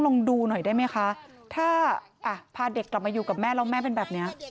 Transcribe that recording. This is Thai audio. ลองดูหน่อยได้ไหมคะถ้าอ่ะพาเด็กกลับมาอยู่กับแม่แล้วแม่เป็นแบบนี้